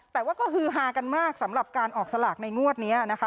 แต่ว่าก็ฮือฮากันมากสำหรับการออกสลากในงวดนี้นะคะ